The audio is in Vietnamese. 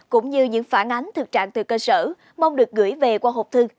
cũng như những phản ánh thực trạng từ cơ sở mong được gửi về qua hộp thư